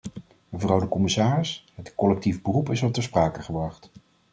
Mevrouw de commissaris, het collectief beroep is al ter sprake gebracht.